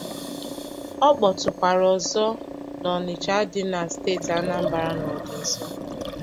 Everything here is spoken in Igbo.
Ọ kpọtụkwara ọzọ n'Ọnịtsha dị na steeti Anambra n'ọdịnso a